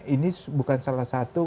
ini bukan salah satu